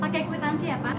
pak kekuitan siapa